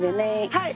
はい！